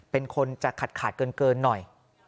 เป็นคนจะขาดเกินหน่อย